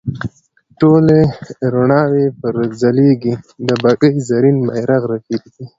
ټولې روڼاوې پرې ځلیږي د بګۍ زرین بیرغ رپیږي.